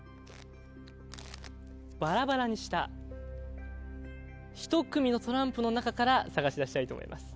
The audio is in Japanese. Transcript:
バラバラにしたひと組のトランプの中から探し出したいと思います。